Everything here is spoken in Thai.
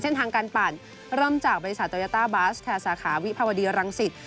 เส้นทางการปั่นเริ่มจากบริษัทโตยาต้าบาสค่ะสาขาวิภาวดีรังสิต